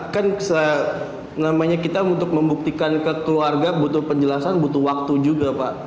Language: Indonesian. kan namanya kita untuk membuktikan ke keluarga butuh penjelasan butuh waktu juga pak